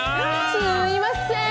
すいません！